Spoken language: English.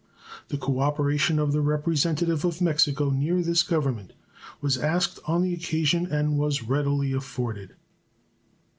The cooperation of the representative of Mexico near this Government was asked on the occasion and was readily afforded.